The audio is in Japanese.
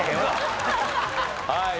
はい。